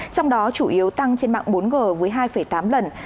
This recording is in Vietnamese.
trong đó chủ yếu tăng trên mạng bốn g với hai tám lần